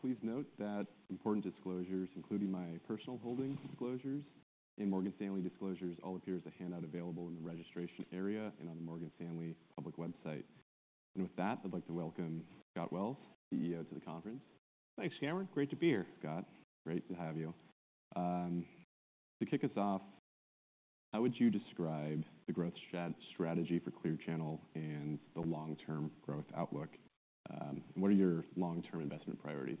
Please note that important disclosures, including my personal holding disclosures and Morgan Stanley disclosures, all appear as a handout available in the registration area and on the Morgan Stanley public website. With that, I'd like to welcome Scott Wells, CEO, to the conference. Thanks, Cameron. Great to be here. Scott, great to have you. To kick us off, how would you describe the growth strategy for Clear Channel and the long-term growth outlook? What are your long-term investment priorities?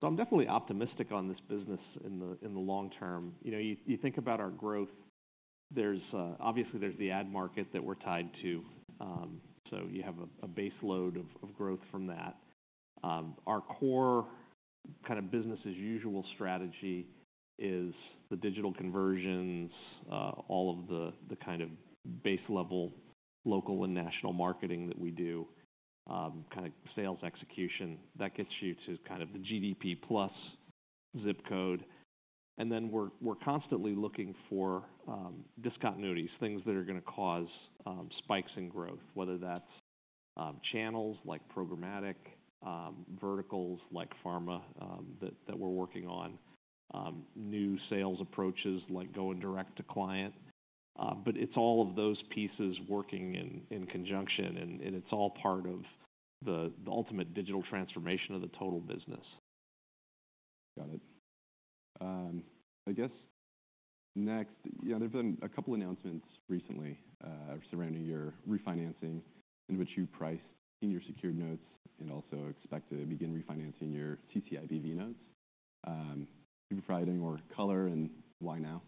So I'm definitely optimistic on this business in the long term. You know, you think about our growth, there's obviously the ad market that we're tied to, so you have a base load of growth from that. Our core kind of business as usual strategy is the digital conversions, all of the kind of base level, local and national marketing that we do, kind of sales execution. That gets you to kind of the GDP plus zip code. And then we're constantly looking for discontinuities, things that are gonna cause spikes in growth, whether that's channels, like programmatic, verticals, like pharma, that we're working on, new sales approaches, like going direct to client. But it's all of those pieces working in conjunction, and it's all part of the ultimate digital transformation of the total business. Got it. I guess next, yeah, there have been a couple announcements recently, surrounding your refinancing, in which you priced in your secured notes and also expect to begin refinancing your CCIBV notes. Can you provide any more color, and why now?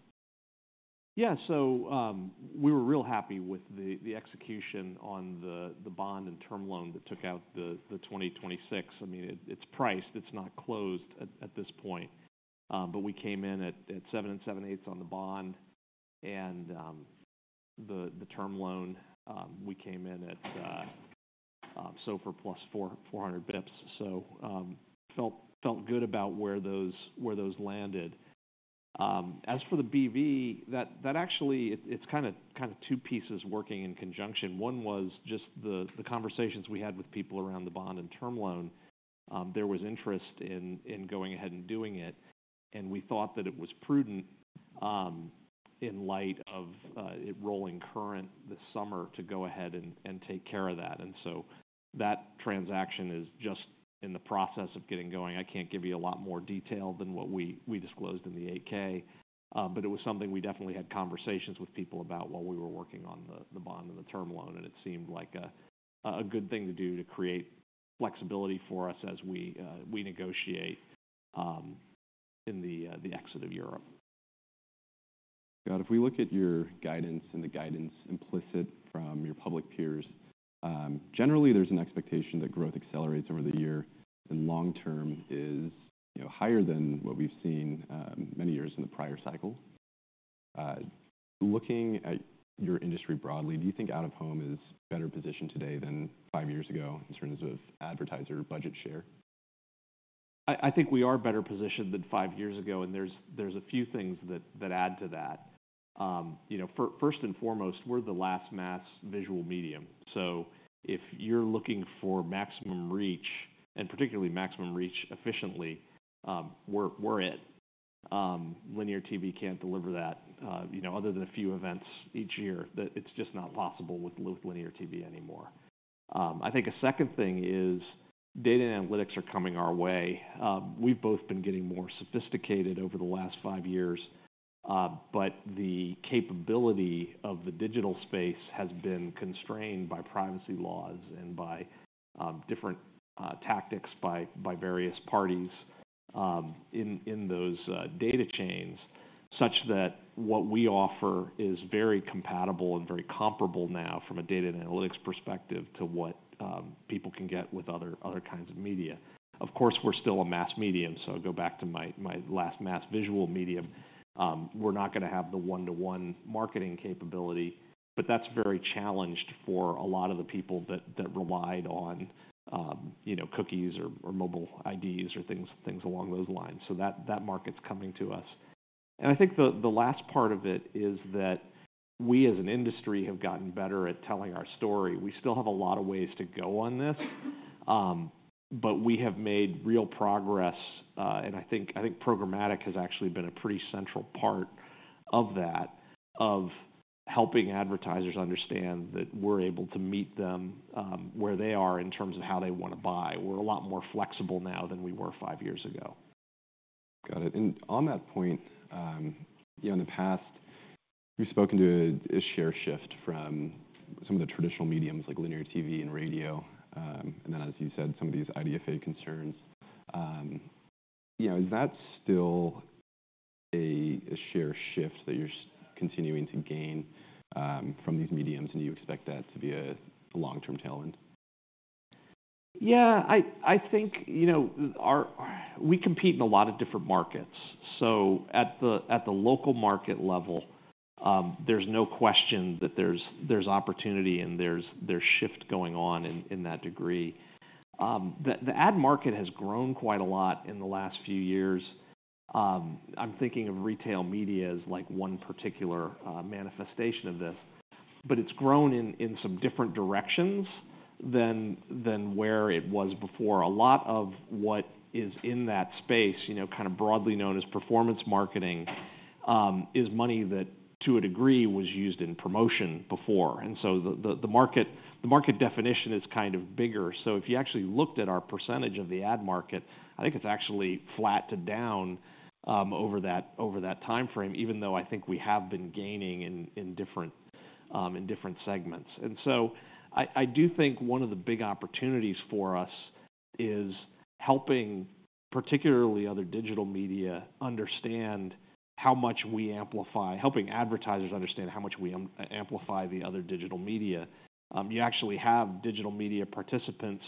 Yeah. So, we were real happy with the execution on the bond and term loan that took out the 2026. I mean, it's priced, it's not closed at this point. But we came in at 7 7/8 on the bond, and the term loan, we came in at SOFR plus 400 basis points. So, felt good about where those landed. As for the BV, that actually... It's kind of two pieces working in conjunction. One was just the conversations we had with people around the bond and term loan. There was interest in going ahead and doing it, and we thought that it was prudent, in light of it rolling current this summer, to go ahead and take care of that. And so that transaction is just in the process of getting going. I can't give you a lot more detail than what we disclosed in the 8-K, but it was something we definitely had conversations with people about while we were working on the bond and the term loan, and it seemed like a good thing to do to create flexibility for us as we negotiate in the exit of Europe. Scott, if we look at your guidance and the guidance implicit from your public peers, generally, there's an expectation that growth accelerates over the year, and long term is, you know, higher than what we've seen, many years in the prior cycle. Looking at your industry broadly, do you think out-of-home is better positioned today than five years ago in terms of advertiser budget share? I think we are better positioned than five years ago, and there's a few things that add to that. You know, first and foremost, we're the last mass visual medium. So if you're looking for maximum reach, and particularly maximum reach efficiently, we're it. Linear TV can't deliver that, you know, other than a few events each year, that it's just not possible with Linear TV anymore. I think a second thing is data and analytics are coming our way. We've both been getting more sophisticated over the last five years, but the capability of the digital space has been constrained by privacy laws and by different tactics by various parties in those data chains, such that what we offer is very compatible and very comparable now, from a data and analytics perspective, to what people can get with other kinds of media. Of course, we're still a mass medium, so I go back to my last mass visual medium. We're not gonna have the one-to-one marketing capability, but that's very challenged for a lot of the people that rely on, you know, cookies or mobile IDs or things along those lines. So that market's coming to us. I think the last part of it is that we, as an industry, have gotten better at telling our story. We still have a lot of ways to go on this, but we have made real progress, and I think, I think programmatic has actually been a pretty central part of that, of helping advertisers understand that we're able to meet them, where they are in terms of how they wanna buy. We're a lot more flexible now than we were five years ago. Got it. And on that point, you know, in the past, we've spoken to a share shift from some of the traditional mediums, like Linear TV and radio, and then, as you said, some of these IDFA concerns. You know, is that still a share shift that you're continuing to gain from these mediums, and do you expect that to be a long-term tailwind? Yeah, I think, you know, we compete in a lot of different markets. So at the local market level, there's no question that there's opportunity and there's shift going on in that degree. The ad market has grown quite a lot in the last few years. I'm thinking of retail media as, like, one particular manifestation of this, but it's grown in some different directions than where it was before. A lot of what is in that space, you know, kind of broadly known as performance marketing, is money that, to a degree, was used in promotion before, and so the market definition is kind of bigger. So if you actually looked at our percentage of the ad market, I think it's actually flat to down over that time frame, even though I think we have been gaining in different segments. And so I do think one of the big opportunities for us is helping, particularly other digital media, understand how much we amplify—helping advertisers understand how much we amplify the other digital media. You actually have digital media participants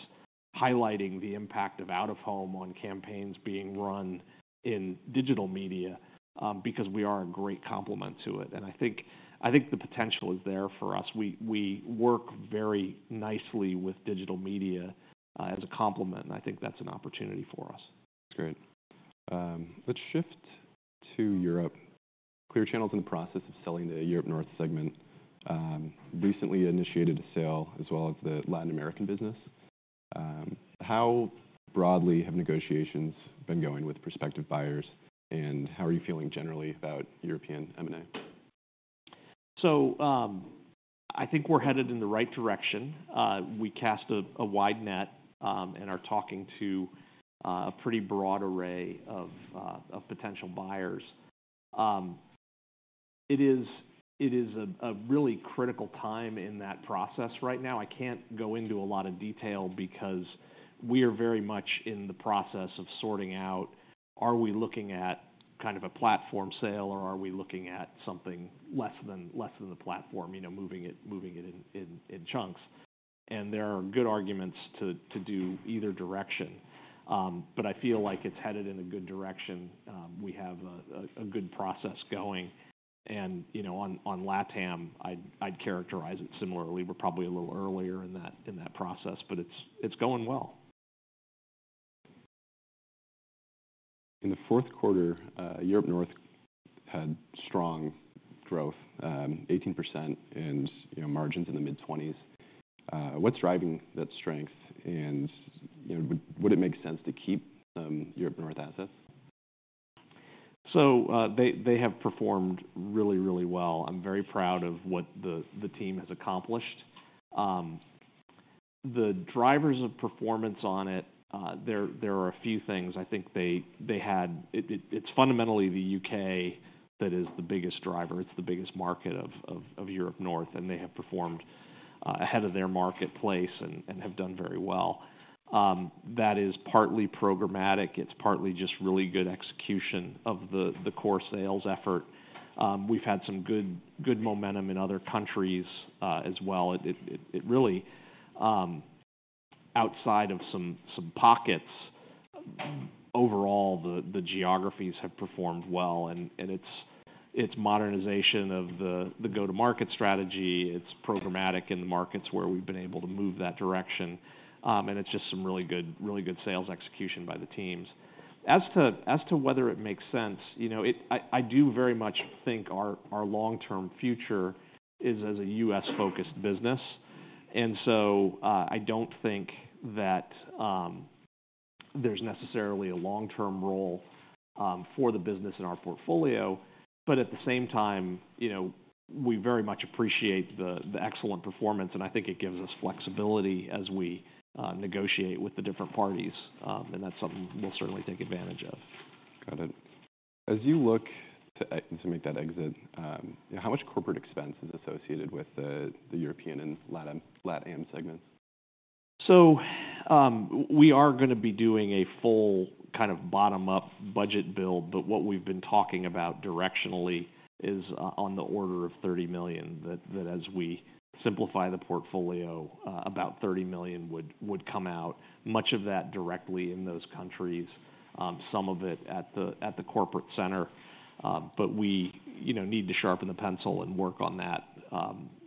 highlighting the impact of out-of-home on campaigns being run in digital media because we are a great complement to it. And I think the potential is there for us. We work very nicely with digital media as a complement, and I think that's an opportunity for us. Great. Let's shift to Europe. Clear Channel is in the process of selling the Europe-North segment, recently initiated a sale as well as the Latin American business. How broadly have negotiations been going with prospective buyers, and how are you feeling generally about European M&A? So, I think we're headed in the right direction. We cast a wide net and are talking to a pretty broad array of potential buyers. It is a really critical time in that process right now. I can't go into a lot of detail because we are very much in the process of sorting out, are we looking at kind of a platform sale, or are we looking at something less than the platform, you know, moving it in chunks? And there are good arguments to do either direction. But I feel like it's headed in a good direction. We have a good process going, and you know, on LatAm, I'd characterize it similarly. We're probably a little earlier in that process, but it's going well. In the fourth quarter, Europe-North had strong growth, 18%, and, you know, margins in the mid-twenties. What's driving that strength? And, you know, would it make sense to keep Europe-North assets? So, they have performed really, really well. I'm very proud of what the team has accomplished. The drivers of performance on it, there are a few things. I think it's fundamentally the UK that is the biggest driver. It's the biggest market of Europe-North, and they have performed ahead of their marketplace and have done very well. That is partly programmatic. It's partly just really good execution of the core sales effort. We've had some good momentum in other countries, as well. It really, outside of some pockets, overall, the geographies have performed well, and it's modernization of the go-to-market strategy, it's programmatic in the markets where we've been able to move that direction, and it's just some really good sales execution by the teams. As to whether it makes sense, you know, it... I do very much think our long-term future is as a U.S.-focused business, and so, I don't think that, there's necessarily a long-term role for the business in our portfolio. But at the same time, you know, we very much appreciate the excellent performance, and I think it gives us flexibility as we negotiate with the different parties, and that's something we'll certainly take advantage of. Got it. As you look to make that exit, how much corporate expense is associated with the European and LatAm segments? So, we are gonna be doing a full kind of bottom-up budget build, but what we've been talking about directionally is, on the order of $30 million. That as we simplify the portfolio, about $30 million would come out, much of that directly in those countries, some of it at the corporate center. But we, you know, need to sharpen the pencil and work on that,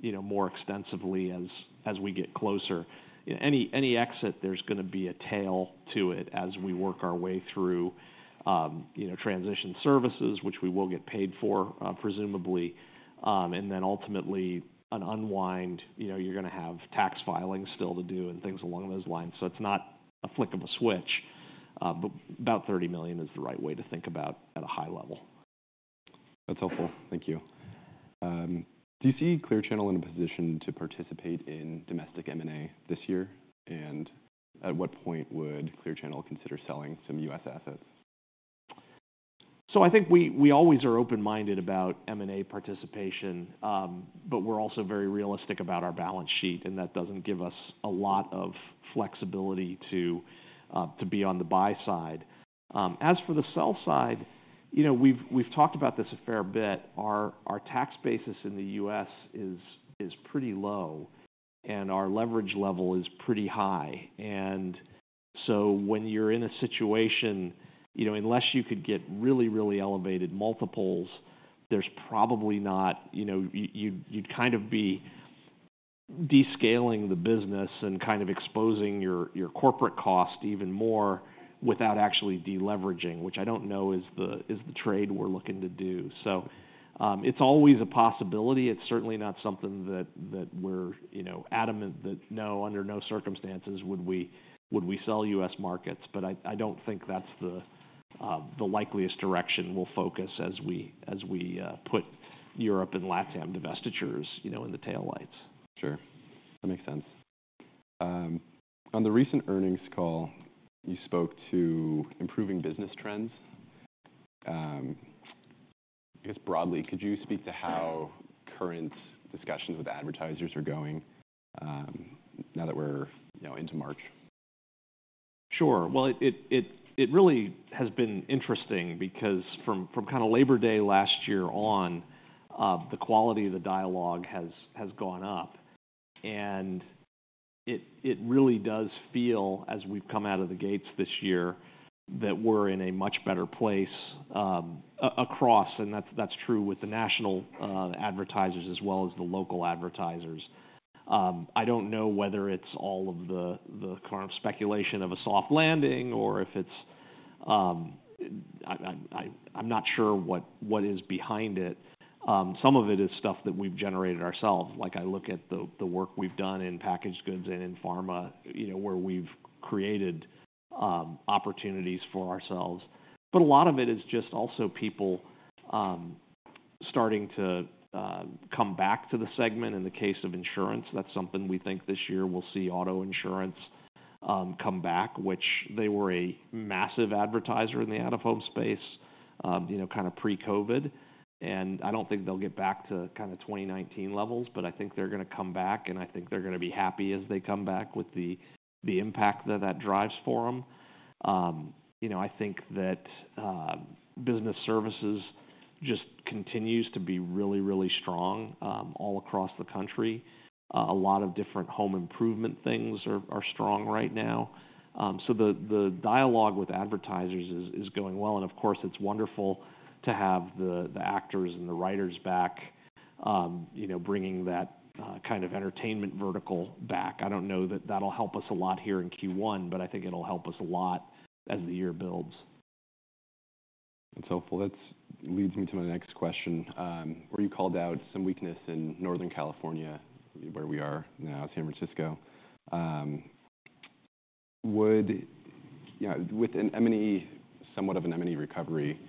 you know, more extensively as we get closer. Any exit, there's gonna be a tail to it as we work our way through, you know, transition services, which we will get paid for, presumably, and then ultimately an unwind. You know, you're gonna have tax filings still to do and things along those lines. It's not a flick of a switch, but about $30 million is the right way to think about at a high level. That's helpful. Thank you. Do you see Clear Channel in a position to participate in domestic M&A this year? And at what point would Clear Channel consider selling some U.S. assets? So I think we always are open-minded about M&A participation, but we're also very realistic about our balance sheet, and that doesn't give us a lot of flexibility to be on the buy side. As for the sell side, you know, we've talked about this a fair bit. Our tax basis in the U.S. is pretty low, and our leverage level is pretty high. And so when you're in a situation, you know, unless you could get really, really elevated multiples, there's probably not. You know, you'd kind of be descaling the business and kind of exposing your corporate cost even more without actually deleveraging, which I don't know is the trade we're looking to do. So, it's always a possibility. It's certainly not something that we're, you know, adamant that no, under no circumstances would we sell U.S. markets. But I don't think that's the likeliest direction we'll focus as we put Europe and LatAm divestitures, you know, in the taillights. Sure. That makes sense. On the recent earnings call, you spoke to improving business trends. I guess broadly, could you speak to how current discussions with advertisers are going, now that we're, you know, into March? Sure. Well, it really has been interesting because from kind of Labor Day last year on, the quality of the dialogue has gone up, and it really does feel, as we've come out of the gates this year, that we're in a much better place across, and that's true with the national advertisers as well as the local advertisers. I don't know whether it's all of the current speculation of a soft landing or if it's... I'm not sure what is behind it. Some of it is stuff that we've generated ourselves. Like, I look at the work we've done in packaged goods and in pharma, you know, where we've created opportunities for ourselves. But a lot of it is just also people starting to come back to the segment. In the case of insurance, that's something we think this year we'll see auto insurance come back, which they were a massive advertiser in the out-of-home space, you know, kinda pre-COVID. And I don't think they'll get back to kinda 2019 levels, but I think they're gonna come back, and I think they're gonna be happy as they come back with the impact that that drives for them. You know, I think that business services just continues to be really, really strong all across the country. A lot of different home improvement things are strong right now. So the dialogue with advertisers is going well, and of course, it's wonderful to have the actors and the writers back, you know, bringing that kind of entertainment vertical back. I don't know that that'll help us a lot here in Q1, but I think it'll help us a lot as the year builds. That's helpful. That leads me to my next question. Where you called out some weakness in Northern California, where we are now, San Francisco. You know, with an M&E, somewhat of an M&E recovery,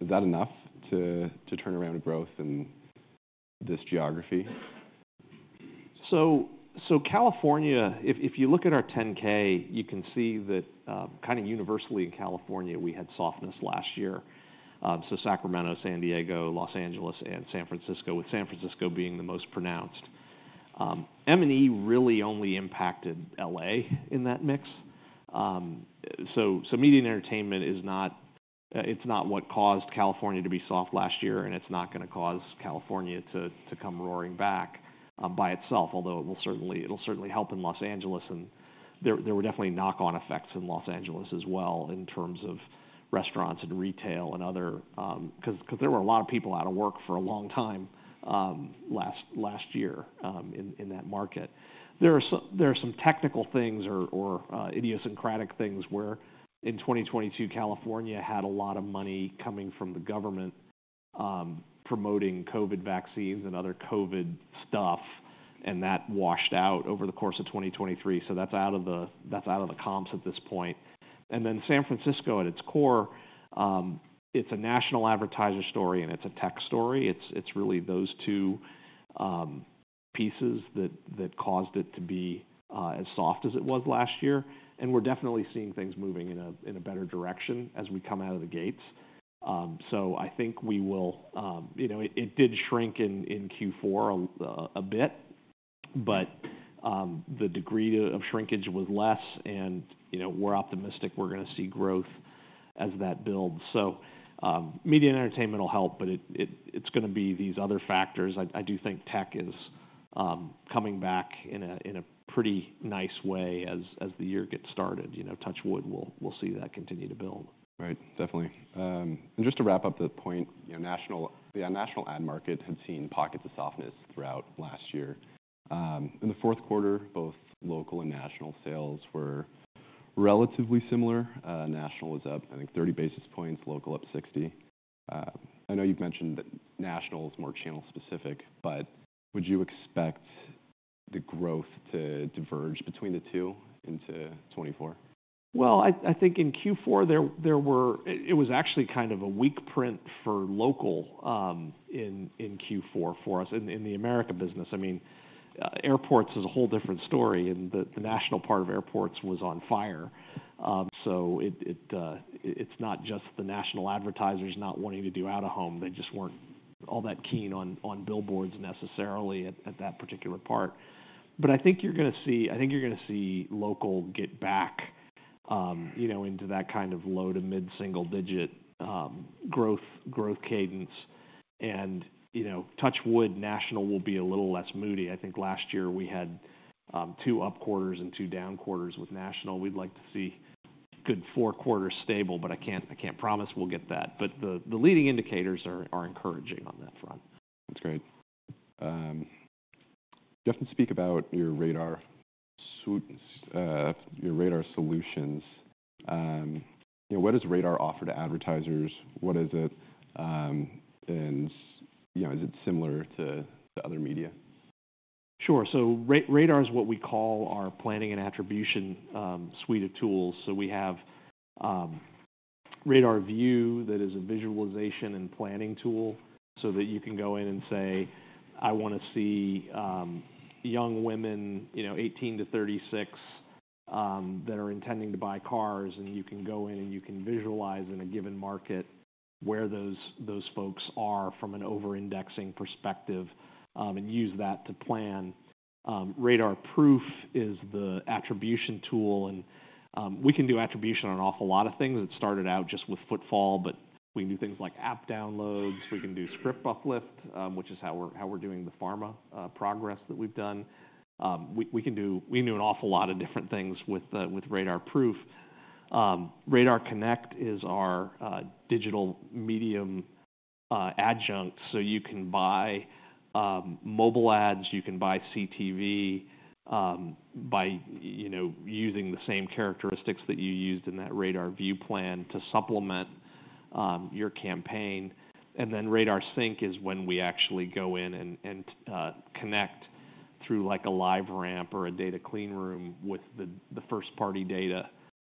is that enough to turn around growth in this geography? So, California, if you look at our 10-K, you can see that, kinda universally in California, we had softness last year. So Sacramento, San Diego, Los Angeles, and San Francisco, with San Francisco being the most pronounced. M&E really only impacted L.A. in that mix. So, media and entertainment is not... it's not what caused California to be soft last year, and it's not gonna cause California to come roaring back, by itself, although it will certainly- it'll certainly help in Los Angeles, and there were definitely knock-on effects in Los Angeles as well, in terms of restaurants and retail and other... 'cause there were a lot of people out of work for a long time, last year, in that market. There are some technical things or idiosyncratic things where in 2022, California had a lot of money coming from the government promoting COVID vaccines and other COVID stuff, and that washed out over the course of 2023. So that's out of the comps at this point. And then San Francisco, at its core, it's a national advertiser story, and it's a tech story. It's really those two pieces that caused it to be as soft as it was last year. And we're definitely seeing things moving in a better direction as we come out of the gates. So I think we will... You know, it did shrink in Q4 a bit, but the degree of shrinkage was less and, you know, we're optimistic we're gonna see growth as that builds. So, media and entertainment will help, but it's gonna be these other factors. I do think tech is coming back in a pretty nice way as the year gets started. You know, touch wood, we'll see that continue to build. Right. Definitely. And just to wrap up the point, you know, national, the national ad market had seen pockets of softness throughout last year. In the fourth quarter, both local and national sales were relatively similar. National was up, I think, 30 basis points, local up 60. I know you've mentioned that national is more channel-specific, but would you expect the growth to diverge between the two into 2024? Well, I think in Q4, it was actually kind of a weak print for local in Q4 for us in the America business. I mean, airports is a whole different story, and the national part of airports was on fire. So, it's not just the national advertisers not wanting to do out-of-home. They just weren't all that keen on billboards necessarily at that particular part. But I think you're gonna see, I think you're gonna see local get back, you know, into that kind of low- to mid-single-digit growth cadence. And, you know, touch wood, national will be a little less moody. I think last year we had two up quarters and two down quarters with national. We'd like to see-... good four quarters stable, but I can't, I can't promise we'll get that. But the leading indicators are encouraging on that front. That's great. Just speak about your RADAR suite, your RADAR solutions. You know, what does RADAR offer to advertisers? What is it? And, you know, is it similar to other media? Sure. So RADAR is what we call our planning and attribution suite of tools. So we have RADAR View, that is a visualization and planning tool, so that you can go in and say, "I wanna see young women, you know, 18-36, that are intending to buy cars." And you can go in and you can visualize in a given market where those folks are from an over-indexing perspective, and use that to plan. RADAR Proof is the attribution tool, and we can do attribution on an awful lot of things. It started out just with footfall, but we can do things like app downloads. We can do script uplift, which is how we're doing the pharma progress that we've done. We can do... We can do an awful lot of different things with RADAR Proof. RADAR Connect is our digital medium adjunct. So you can buy mobile ads, you can buy CTV by, you know, using the same characteristics that you used in that RADAR View plan to supplement your campaign. And then RADAR Sync is when we actually go in and connect through, like, a LiveRamp or a data clean room with the first-party data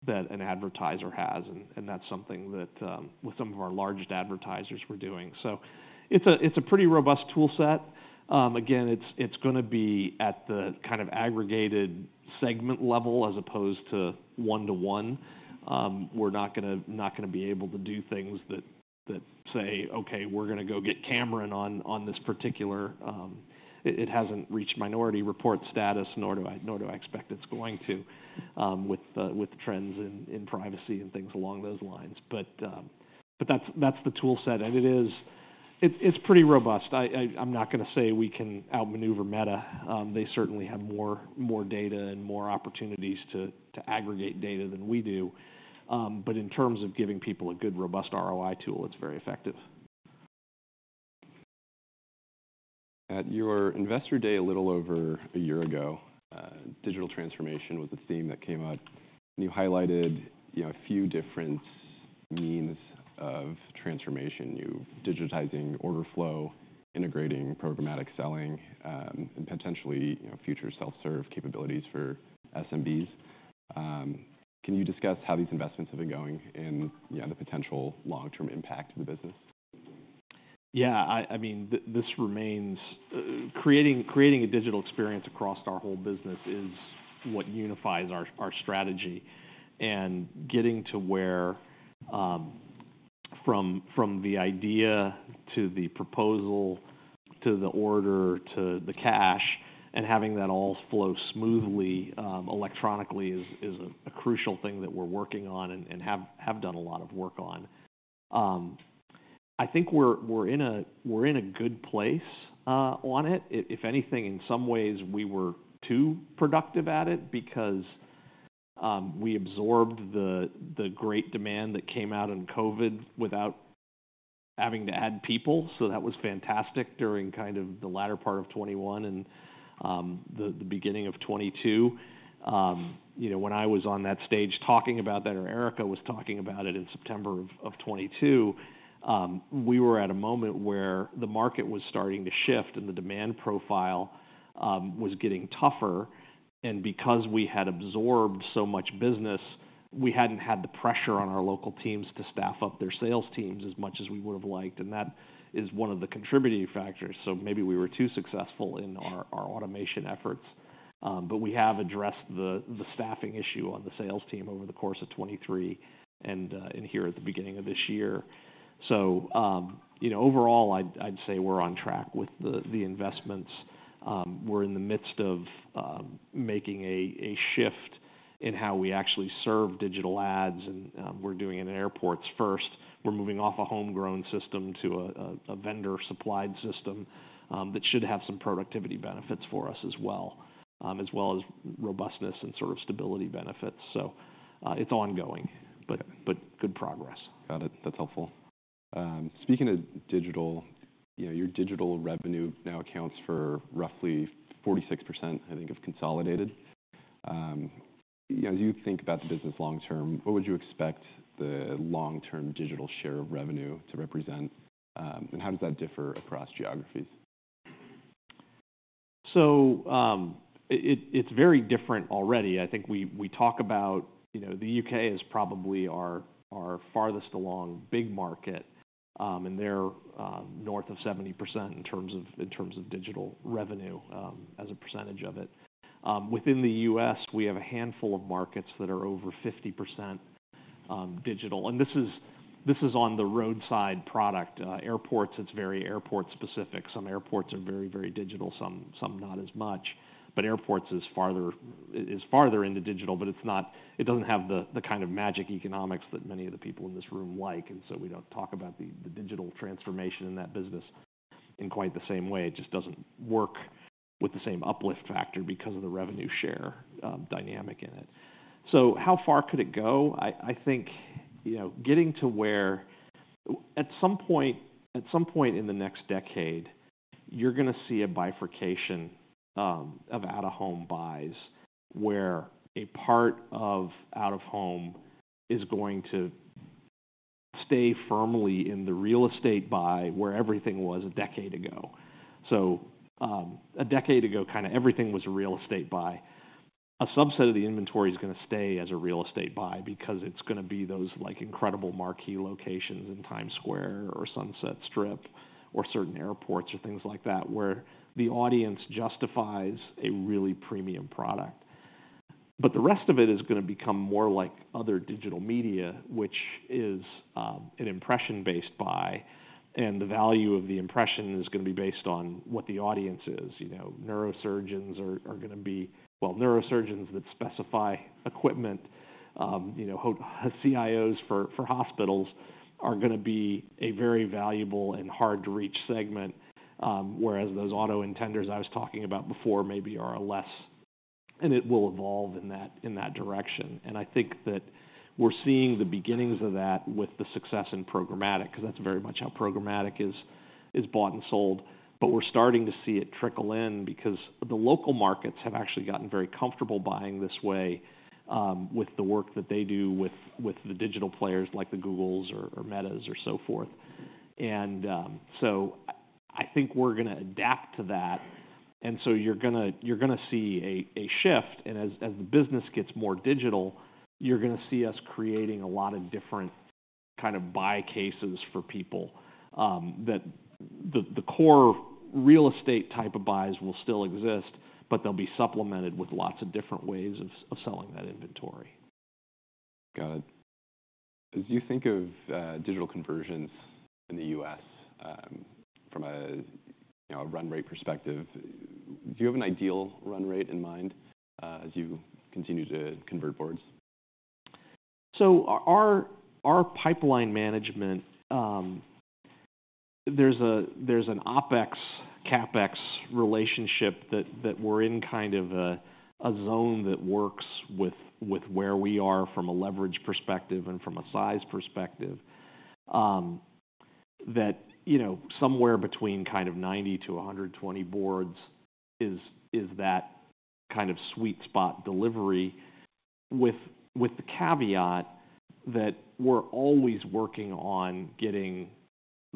that an advertiser has, and that's something that with some of our largest advertisers we're doing. So it's a pretty robust tool set. Again, it's gonna be at the kind of aggregated segment level as opposed to one-to-one. We're not gonna, not gonna be able to do things that, that say, "Okay, we're gonna go get Cameron on, on this particular..." It, it hasn't reached Minority Report status, nor do I, nor do I expect it's going to, with the, with the trends in, in privacy and things along those lines. But, but that's, that's the tool set, and it is... It's, it's pretty robust. I, I, I'm not gonna say we can outmaneuver Meta. They certainly have more, more data and more opportunities to, to aggregate data than we do. But in terms of giving people a good, robust ROI tool, it's very effective. At your Investor Day a little over a year ago, digital transformation was a theme that came out, and you highlighted, you know, a few different means of transformation, you digitizing order flow, integrating programmatic selling, and potentially, you know, future self-serve capabilities for SMBs. Can you discuss how these investments have been going and, you know, the potential long-term impact to the business? Yeah, I mean, this remains... Creating a digital experience across our whole business is what unifies our strategy. And getting to where, from the idea to the proposal, to the order, to the cash, and having that all flow smoothly, electronically, is a crucial thing that we're working on and have done a lot of work on. I think we're in a good place on it. If anything, in some ways, we were too productive at it because we absorbed the great demand that came out in COVID without having to add people, so that was fantastic during kind of the latter part of 2021 and the beginning of 2022. You know, when I was on that stage talking about that, or Erika was talking about it in September of 2022, we were at a moment where the market was starting to shift, and the demand profile was getting tougher. Because we had absorbed so much business, we hadn't had the pressure on our local teams to staff up their sales teams as much as we would have liked, and that is one of the contributing factors. So maybe we were too successful in our automation efforts, but we have addressed the staffing issue on the sales team over the course of 2023 and here at the beginning of this year. So, you know, overall, I'd say we're on track with the investments. We're in the midst of making a shift in how we actually serve digital ads, and we're doing it in airports first. We're moving off a homegrown system to a vendor-supplied system that should have some productivity benefits for us as well, as well as robustness and sort of stability benefits. So, it's ongoing, but good progress. Got it. That's helpful. Speaking of digital, you know, your digital revenue now accounts for roughly 46%, I think, of consolidated. You know, as you think about the business long term, what would you expect the long-term digital share of revenue to represent, and how does that differ across geographies? So, it's very different already. I think we talk about, you know, the UK is probably our farthest along big market, and they're north of 70% in terms of digital revenue as a percentage of it. Within the US, we have a handful of markets that are over 50% digital, and this is on the roadside product. Airports, it's very airport specific. Some airports are very digital, some not as much, but airports is farther into digital, but it doesn't have the kind of magic economics that many of the people in this room like, and so we don't talk about the digital transformation in that business in quite the same way. It just doesn't work with the same uplift factor because of the revenue share dynamic in it. So how far could it go? I think, you know, getting to where at some point, at some point in the next decade, you're gonna see a bifurcation of out-of-home buys, where a part of out-of-home is going to stay firmly in the real estate buy, where everything was a decade ago. So, a decade ago, kinda everything was a real estate buy. A subset of the inventory is gonna stay as a real estate buy because it's gonna be those, like, incredible marquee locations in Times Square or Sunset Strip or certain airports or things like that, where the audience justifies a really premium product. But the rest of it is gonna become more like other digital media, which is an impression-based buy, and the value of the impression is gonna be based on what the audience is. You know, neurosurgeons are gonna be... Well, neurosurgeons that specify equipment, you know, CIOs for hospitals are gonna be a very valuable and hard-to-reach segment. Whereas those auto intenders I was talking about before maybe are a less, and it will evolve in that direction. And I think that we're seeing the beginnings of that with the success in programmatic, 'cause that's very much how programmatic is bought and sold. But we're starting to see it trickle in because the local markets have actually gotten very comfortable buying this way, with the work that they do with the digital players, like the Googles or Metas or so forth. And so I think we're gonna adapt to that, and so you're gonna see a shift, and as the business gets more digital, you're gonna see us creating a lot of different kind of buy cases for people. That the core real estate type of buys will still exist, but they'll be supplemented with lots of different ways of selling that inventory. Got it. As you think of digital conversions in the U.S., from a, you know, run rate perspective, do you have an ideal run rate in mind, as you continue to convert boards? So our pipeline management, there's an OpEx/CapEx relationship that we're in kind of a zone that works with where we are from a leverage perspective and from a size perspective. That, you know, somewhere between kind of 90-120 boards is that kind of sweet spot delivery, with the caveat that we're always working on getting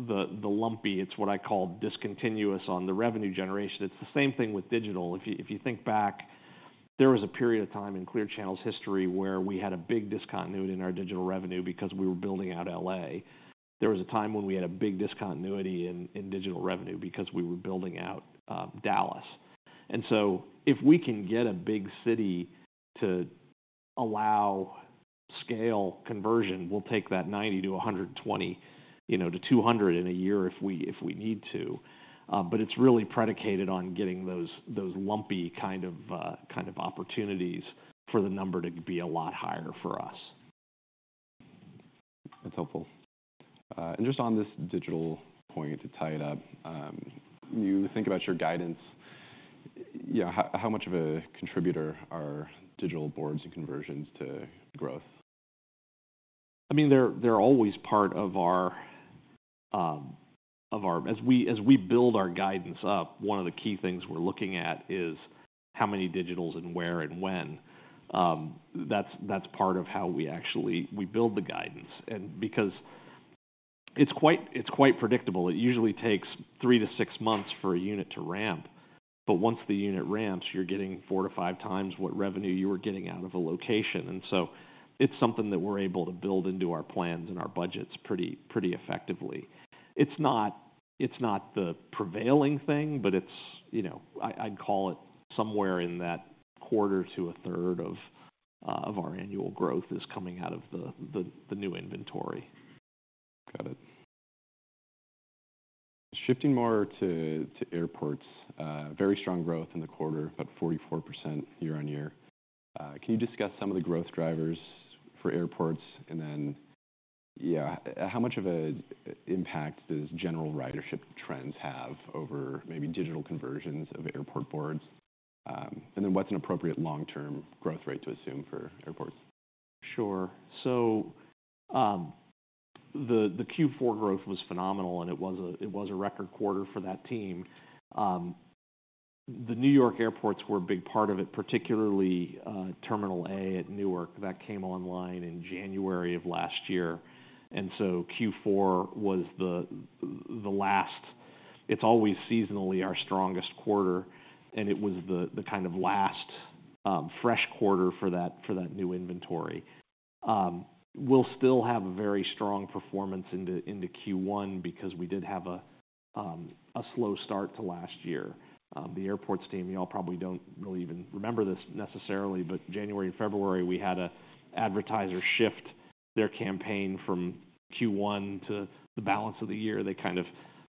the lumpy, it's what I call discontinuous on the revenue generation. It's the same thing with digital. If you think back, there was a period of time in Clear Channel's history where we had a big discontinuity in our digital revenue because we were building out LA. There was a time when we had a big discontinuity in digital revenue because we were building out Dallas. If we can get a big city to allow scale conversion, we'll take that 90-120, you know, to 200 in a year if we, if we need to. But it's really predicated on getting those, those lumpy kind of, kind of opportunities for the number to be a lot higher for us. That's helpful. Just on this digital point, to tie it up, you think about your guidance, yeah, how much of a contributor are digital boards and conversions to growth? I mean, they're always part of our... As we build our guidance up, one of the key things we're looking at is how many digitals and where and when. That's part of how we actually we build the guidance, and because it's quite predictable. It usually takes 3-6 months for a unit to ramp, but once the unit ramps, you're getting 4-5 times what revenue you were getting out of a location. And so it's something that we're able to build into our plans and our budgets pretty effectively. It's not the prevailing thing, but it's, you know, I, I'd call it somewhere in that quarter to a third of our annual growth is coming out of the new inventory. Got it. Shifting more to airports. Very strong growth in the quarter, about 44% year-on-year. Can you discuss some of the growth drivers for airports? And then, yeah, how much of an impact does general ridership trends have over maybe digital conversions of airport boards? And then what's an appropriate long-term growth rate to assume for airports? Sure. So, the Q4 growth was phenomenal, and it was a record quarter for that team. The New York airports were a big part of it, particularly Terminal A at Newark. That came online in January of last year, and so Q4 was the last... It's always seasonally our strongest quarter, and it was the kind of last fresh quarter for that new inventory. We'll still have a very strong performance into Q1 because we did have a slow start to last year. The airports team, you all probably don't really even remember this necessarily, but January and February, we had a advertiser shift their campaign from Q1 to the balance of the year. They kind of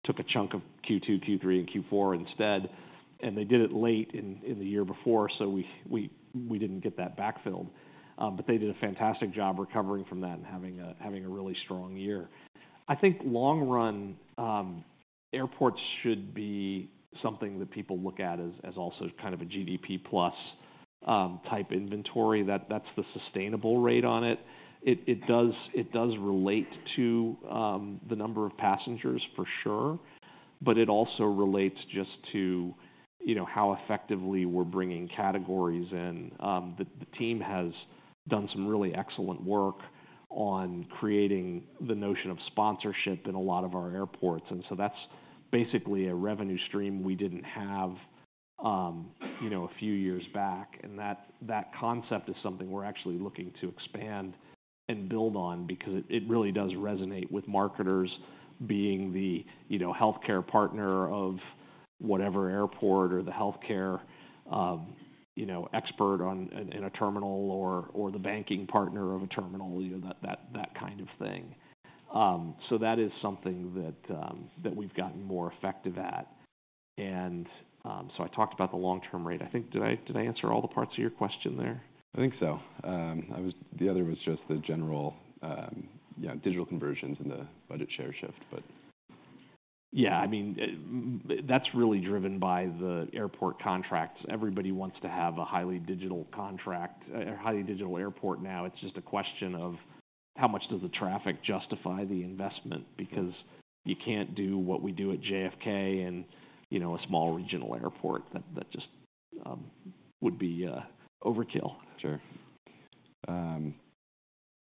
took a chunk of Q2, Q3, and Q4 instead... And they did it late in the year before, so we didn't get that backfilled. But they did a fantastic job recovering from that and having a really strong year. I think long run, airports should be something that people look at as also kind of a GDP plus type inventory. That's the sustainable rate on it. It does relate to the number of passengers, for sure, but it also relates just to, you know, how effectively we're bringing categories in. The team has done some really excellent work on creating the notion of sponsorship in a lot of our airports, and so that's basically a revenue stream we didn't have, you know, a few years back. And that concept is something we're actually looking to expand and build on because it really does resonate with marketers being the, you know, healthcare partner of whatever airport or the healthcare, you know, expert on—in, in a terminal or the banking partner of a terminal, you know, that kind of thing. So that is something that we've gotten more effective at. And so I talked about the long-term rate. I think... Did I answer all the parts of your question there? I think so. The other was just the general digital conversions and the budget share shift, but- Yeah, I mean, that's really driven by the airport contracts. Everybody wants to have a highly digital contract, a highly digital airport now. It's just a question of how much does the traffic justify the investment? Because you can't do what we do at JFK in, you know, a small regional airport. That just would be overkill. Sure.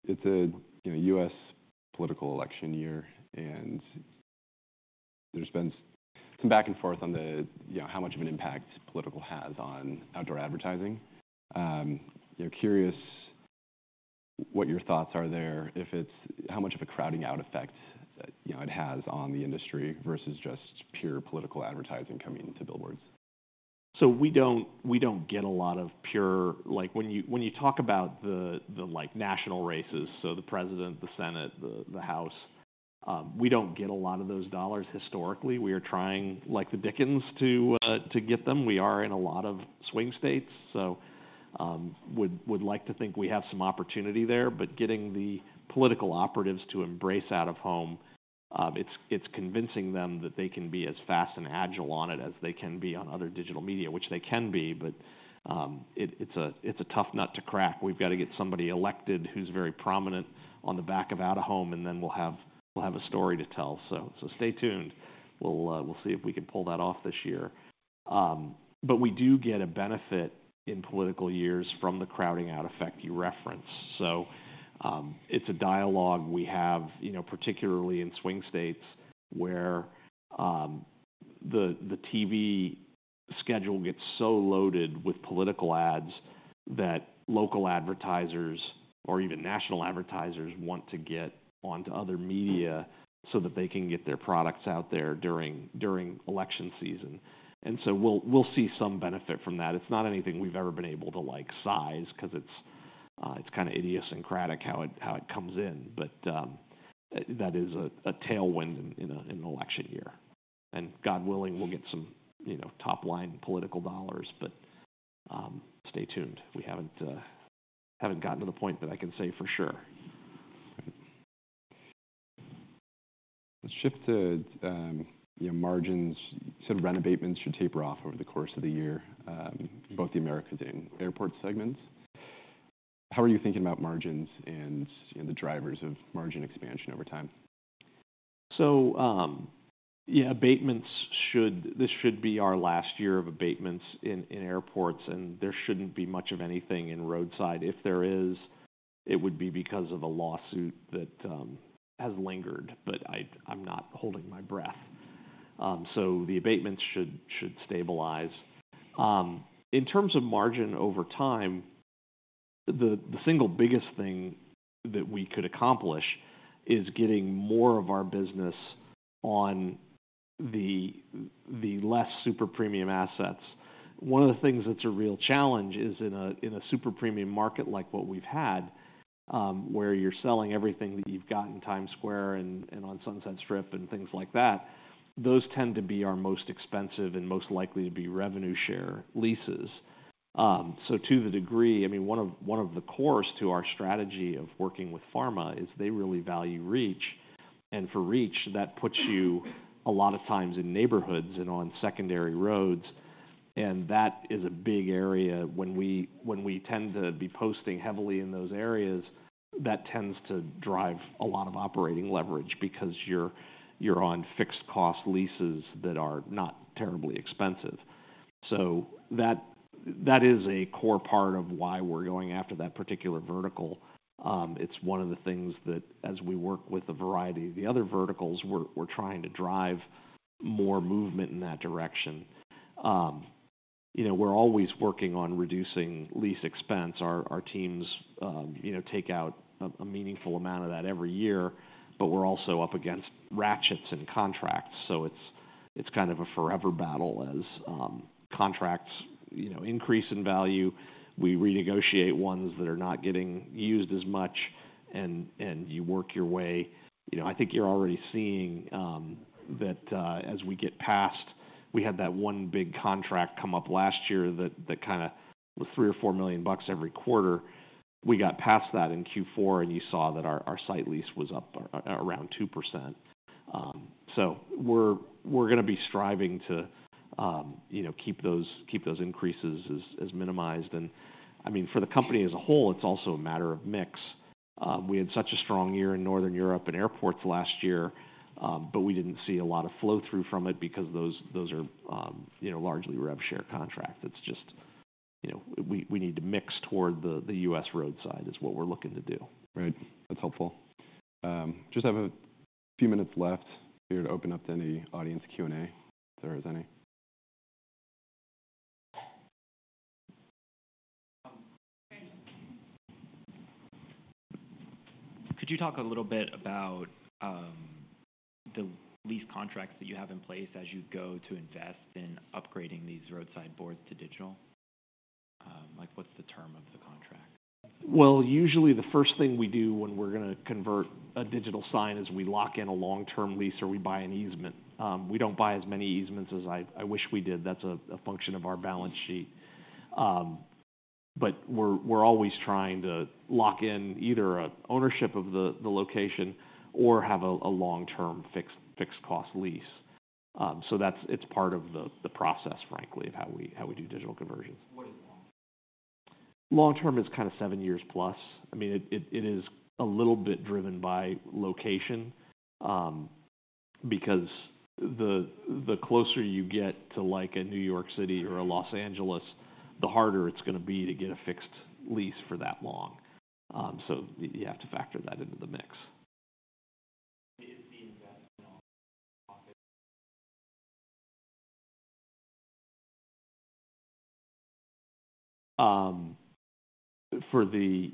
It's a you know, U.S. political election year, and there's been some back and forth on the, you know, how much of an impact political has on outdoor advertising. They're curious what your thoughts are there, if it's how much of a crowding out effect, you know, it has on the industry versus just pure political advertising coming into billboards. So we don't get a lot of pure... Like, when you talk about the like national races, so the President, the Senate, the House, we don't get a lot of those dollars historically. We are trying, like the dickens, to get them. We are in a lot of swing states, so would like to think we have some opportunity there. But getting the political operatives to embrace out-of-home, it's convincing them that they can be as fast and agile on it as they can be on other digital media, which they can be, but it's a tough nut to crack. We've got to get somebody elected who's very prominent on the back of out-of-home, and then we'll have a story to tell. So stay tuned. We'll, we'll see if we can pull that off this year. But we do get a benefit in political years from the crowding out effect you referenced. So, it's a dialogue we have, you know, particularly in swing states, where the TV schedule gets so loaded with political ads that local advertisers or even national advertisers want to get onto other media, so that they can get their products out there during election season. And so we'll see some benefit from that. It's not anything we've ever been able to, like, size, 'cause it's kind of idiosyncratic how it comes in. But that is a tailwind in an election year. And God willing, we'll get some, you know, top-line political dollars, but stay tuned. We haven't, haven't gotten to the point that I can say for sure. Let's shift to your margins. Abatements should taper off over the course of the year, both the Americas and Airports segments. How are you thinking about margins and, you know, the drivers of margin expansion over time? So, yeah, abatements should—this should be our last year of abatements in airports, and there shouldn't be much of anything in roadside. If there is, it would be because of a lawsuit that has lingered, but I'm not holding my breath. So the abatements should stabilize. In terms of margin over time, the single biggest thing that we could accomplish is getting more of our business on the less super premium assets. One of the things that's a real challenge is in a super premium market like what we've had, where you're selling everything that you've got in Times Square and on Sunset Strip and things like that, those tend to be our most expensive and most likely to be revenue share leases. So to the degree—I mean, one of the cores to our strategy of working with pharma is they really value reach, and for reach, that puts you a lot of times in neighborhoods and on secondary roads, and that is a big area. When we tend to be posting heavily in those areas, that tends to drive a lot of operating leverage because you're on fixed cost leases that are not terribly expensive. So that is a core part of why we're going after that particular vertical. It's one of the things that as we work with a variety of the other verticals, we're trying to drive more movement in that direction. You know, we're always working on reducing lease expense. Our teams, you know, take out a meaningful amount of that every year, but we're also up against ratchets and contracts, so it's kind of a forever battle as contracts you know increase in value. We renegotiate ones that are not getting used as much, and you work your way. You know, I think you're already seeing that as we get past. We had that one big contract come up last year that kinda was $3 million or $4 million every quarter. We got past that in Q4, and you saw that our site lease was up around 2%. So we're gonna be striving to you know keep those increases as minimized. And I mean, for the company as a whole, it's also a matter of mix. We had such a strong year in Northern Europe and airports last year, but we didn't see a lot of flow-through from it because those, those are, you know, largely rev share contract. It's just, you know, we, we need to mix toward the, the U.S. roadside, is what we're looking to do. Right. That's helpful. Just have a few minutes left here to open up to any audience Q&A, if there is any. Could you talk a little bit about the lease contracts that you have in place as you go to invest in upgrading these roadside boards to digital? Like, what's the term of the contract? Well, usually the first thing we do when we're gonna convert a digital sign is we lock in a long-term lease or we buy an easement. We don't buy as many easements as I wish we did. That's a function of our balance sheet. But we're always trying to lock in either ownership of the location or have a long-term, fixed-cost lease. So that's it. It's part of the process, frankly, of how we do digital conversions. What is long-term? Long-term is kinda 7+ years. I mean, it is a little bit driven by location, because the closer you get to, like, a New York City or a Los Angeles, the harder it's gonna be to get a fixed lease for that long. So you have to factor that into the mix. Is the investment off the profit?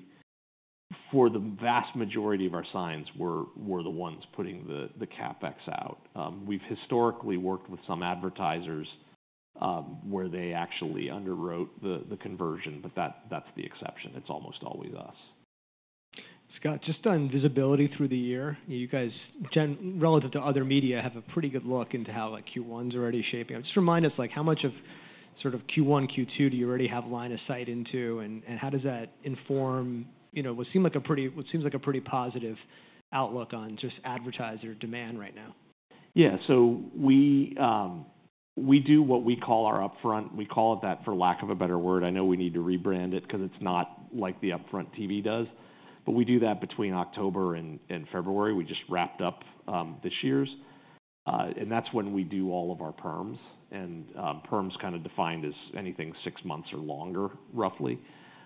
For the vast majority of our signs, we're the ones putting the CapEx out. We've historically worked with some advertisers where they actually underwrote the conversion, but that's the exception. It's almost always us. Scott, just on visibility through the year, you guys relative to other media, have a pretty good look into how, like, Q1's already shaping up. Just remind us, like, how much of sort of Q1, Q2 do you already have line of sight into, and how does that inform, you know, what seems like a pretty positive outlook on just advertiser demand right now? Yeah. So we do what we call our Upfront. We call it that for lack of a better word. I know we need to rebrand it, 'cause it's not like the Upfront TV does. But we do that between October and February. We just wrapped up this year's and that's when we do all of our Perms, and Perms kinda defined as anything six months or longer, roughly.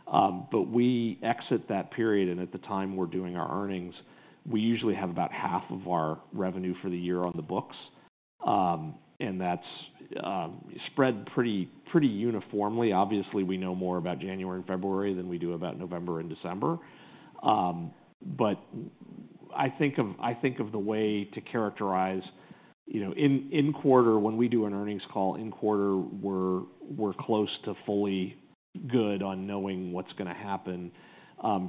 But we exit that period, and at the time we're doing our earnings, we usually have about half of our revenue for the year on the books. And that's spread pretty uniformly. Obviously, we know more about January and February than we do about November and December. But I think of the way to characterize, you know, in quarter, when we do an earnings call, in quarter, we're close to fully good on knowing what's gonna happen.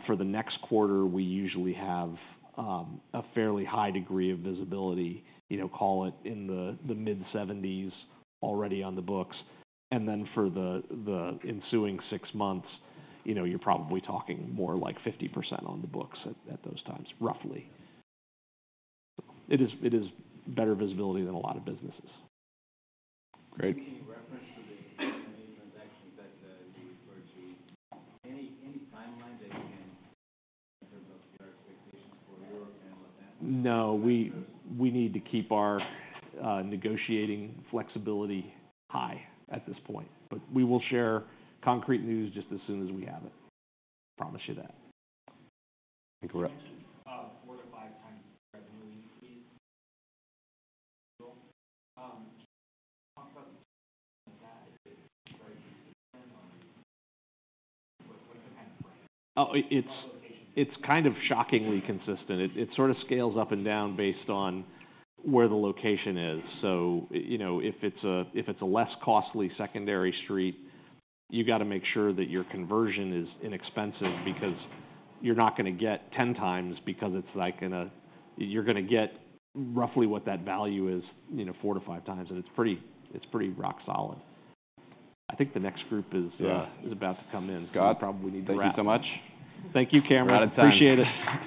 For the next quarter, we usually have a fairly high degree of visibility, you know, call it in the mid-70s% already on the books. And then for the ensuing six months, you know, you're probably talking more like 50% on the books at those times, roughly. It is better visibility than a lot of businesses. Great. In reference to the transactions that, you referred to, any, any timeline that you can in terms of your expectations for Europe and Latin America? No, we need to keep our negotiating flexibility high at this point, but we will share concrete news just as soon as we have it. Promise you that. Correct. 4-5 times regularly. Oh, it's- Location. It's kind of shockingly consistent. It, it sorta scales up and down based on where the location is. So, you know, if it's a, if it's a less costly secondary street, you gotta make sure that your conversion is inexpensive because you're not gonna get 10 times, because it's like in a... You're gonna get roughly what that value is, you know, 4-5 times, and it's pretty, it's pretty rock solid. I think the next group is about to come in. Scott- So we probably need to wrap. Thank you so much. Thank you, Cameron. A lot of time. Appreciate it.